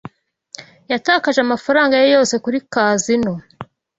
Yatakaje amafaranga ye yose kuri kazino.